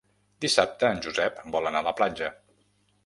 Dissabte en Josep vol anar a la platja.